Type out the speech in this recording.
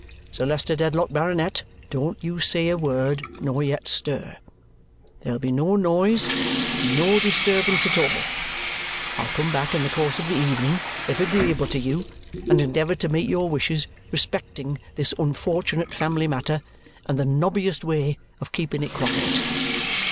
Sir Leicester Dedlock, Baronet, don't you say a word nor yet stir. There'll be no noise and no disturbance at all. I'll come back in the course of the evening, if agreeable to you, and endeavour to meet your wishes respecting this unfortunate family matter and the nobbiest way of keeping it quiet.